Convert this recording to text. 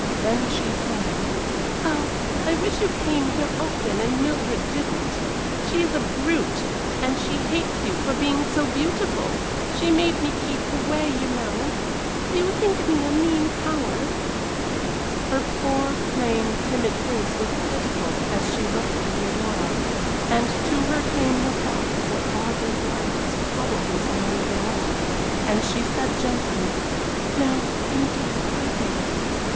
Then she said: "Oh, I wish you came here often and Mildred didn't. She is a brute, and she hates you for being so beautiful. She made me keep away, you know. Do you think me a mean coward?" Her poor, plain, timid face was pitiful as she looked at Theodora, and to her came the thought of what Barbara's life was probably among them all, and she said, gently: "No, indeed, I don't.